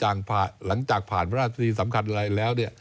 หลังจากผ่านประวัติธีสำคัญอะไรแล้ว